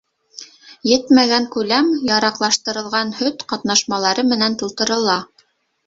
Етмәгән күләм яраҡлаштырылған һөт ҡатнашмалары менән тултырыла.